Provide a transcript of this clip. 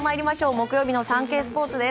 木曜日のサンケイスポーツです。